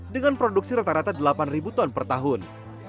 dengan produksi rata rata delapan ton per tahun